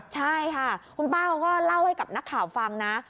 ใช่ค่ะคุณป้าเขาก็เล่าให้กับนักข่าวฟังนะ